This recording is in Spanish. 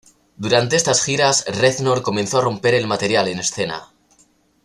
Durante estas giras, Reznor comenzó a romper el material en escena.